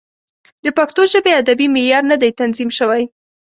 د پښتو ژبې ادبي معیار نه دی تنظیم شوی.